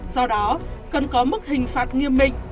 do đó cần có mức hình phạt nghiêm minh